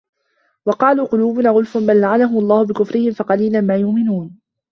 وَقَالُوا قُلُوبُنَا غُلْفٌ ۚ بَلْ لَعَنَهُمُ اللَّهُ بِكُفْرِهِمْ فَقَلِيلًا مَا يُؤْمِنُونَ